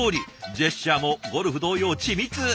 ジェスチャーもゴルフ同様緻密！